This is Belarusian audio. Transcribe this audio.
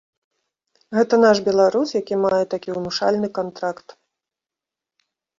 Гэта наш беларус, які мае такі ўнушальны кантракт.